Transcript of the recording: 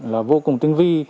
là vô cùng tinh vi